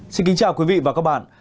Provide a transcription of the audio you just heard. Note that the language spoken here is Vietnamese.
xin kính chào quý vị và các bạn